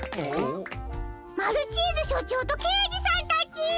マルチーズしょちょうとけいじさんたち！